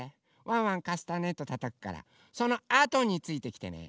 ワンワンカスタネットたたくからそのあとについてきてね。